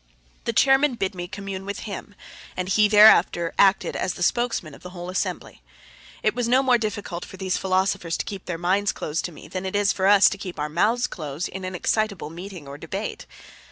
The chairman bid me commune with him and he thereafter acted as the spokesman of the whole assembly. It was no more difficult for these philosophers to keep their minds closed to me than it is for us to keep our mouths closed in an excitable meeting or debate.